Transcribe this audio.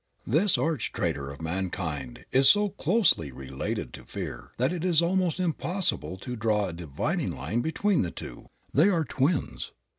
This arch traitor of mankind is so closely related to fear that it is almost impossible to draw a dividing line between the two. They are twins.